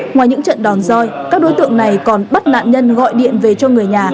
ngoài những trận đòn roi các đối tượng này còn bắt nạn nhân gọi điện về cho người nhà